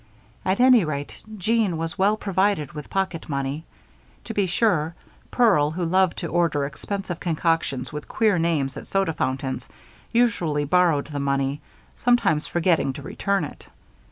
At any rate, Jeanne was well provided with pocket money. To be sure, Pearl, who loved to order expensive concoctions with queer names at soda water fountains, usually borrowed the money, sometimes forgetting to return it.